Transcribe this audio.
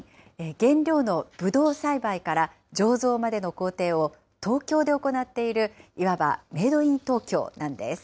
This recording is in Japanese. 原料のブドウ栽培から醸造までの工程を、東京で行っている、いわばメードイン東京なんです。